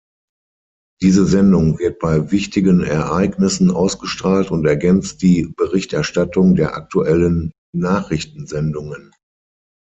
Diese Sendung wird bei wichtigen Ereignissen ausgestrahlt und ergänzt die Berichterstattung der aktuellen Nachrichtensendungen.